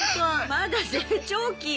まだ成長期よ？